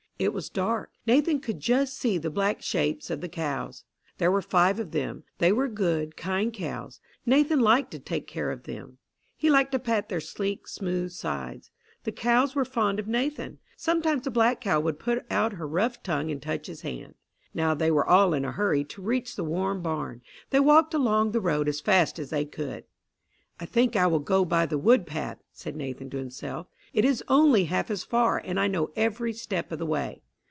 It was dark. Nathan could just see the black shapes of the cows. There were five of them. They were good, kind cows. Nathan liked to take care of them. He liked to pat their sleek, smooth sides. The cows were fond of Nathan. Sometimes the black cow would put out her rough tongue and touch his hand. Now they were all in a hurry to reach the warm barn. They walked along the road as fast as they could. "I think I will go by the wood path," said Nathan to himself. "It is only half as far, and I know every step of the way."